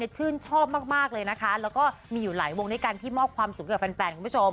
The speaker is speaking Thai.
ชื่นชอบมากเลยนะคะแล้วก็มีอยู่หลายวงด้วยกันที่มอบความสุขกับแฟนคุณผู้ชม